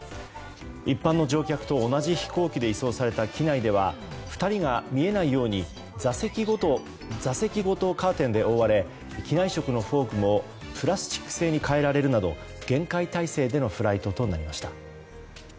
一般の乗客と同じ飛行機で移送された機内では２人が見えないように座席ごとカーテンで覆われ機内食のフォークもプラスチック製に変えられるなど厳戒態勢でのフライトとなりました。